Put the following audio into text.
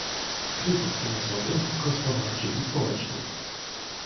Kryzys finansowy, gospodarczy i społeczny